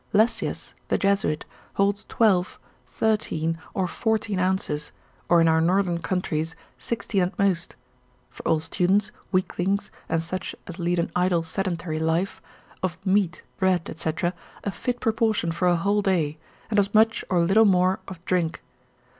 Lessius, the Jesuit, holds twelve, thirteen, or fourteen ounces, or in our northern countries, sixteen at most, (for all students, weaklings, and such as lead an idle sedentary life) of meat, bread, &c., a fit proportion for a whole day, and as much or little more of drink.